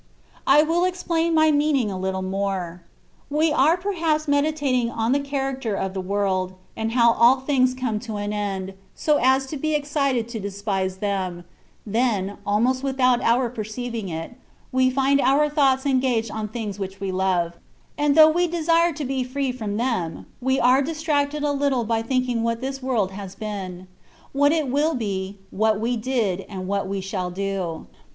I will explain my meaning a little more. We are per haps meditating on the character of the world, and how all things come to an end, so as to be excited to despise them; then^ almost without our 94 THE WAY OP PERFECTION. perceiving it, we find our thoughts engaged on things which we love ; and though we desire to be free from them, we are distracted a little by thinking what this world has been; what it will be; what we did, and what we shall do.